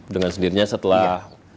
dengan sendirinya setelah